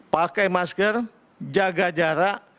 pakai masker jaga jarak